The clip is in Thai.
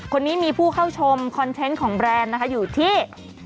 คนนี้มีผู้เข้าชมคอนเทนต์ของแบรนด์นะคะอยู่ที่